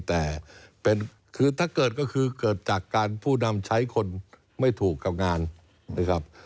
แต่คือถ้าเกิดก็คือเกิดจากการผู้นำใช้คนไม่ถูกกับงานนะครับ